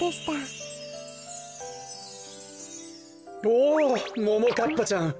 おおももかっぱちゃん。